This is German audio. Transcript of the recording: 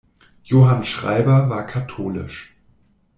Johann Schreiber war katholisch.